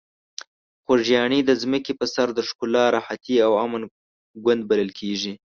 خوږیاڼي د ځمکې په سر د ښکلا، راحتي او امن ګوند بلل کیږي.